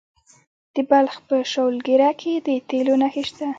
د بلخ په شولګره کې د تیلو نښې شته.